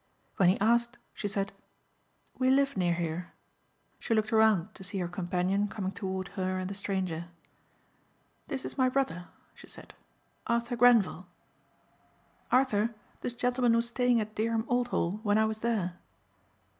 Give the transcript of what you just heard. When he asked she said, "We live near here." She looked around to see her companion coming toward her and the stranger. "This is my brother," she said, "Arthur Grenvil. Arthur this gentleman was staying at Dereham Old Hall when I was there.